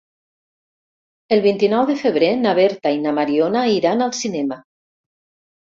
El vint-i-nou de febrer na Berta i na Mariona iran al cinema.